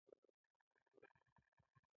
د افغانستان طبیعت له منی څخه جوړ شوی دی.